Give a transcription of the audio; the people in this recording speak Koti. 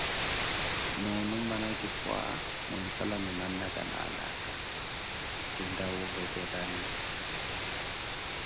Nuuno mmanakifwa mwinsalane mannakha na annaka, kintta woovekelani.